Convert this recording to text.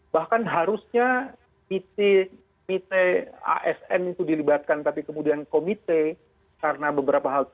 bahkan harusnya pt asn itu dilibatkan tapi kemudian komite karena beberapa hal